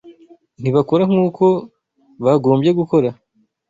Ntibakora nk’uko bagombye gukora